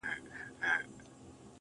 • دا دی د ژوند و آخري نفس ته ودرېدم.